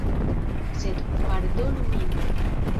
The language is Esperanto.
Sed pardonu min.